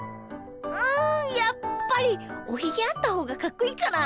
うんやっぱりおひげあったほうがかっこいいかな？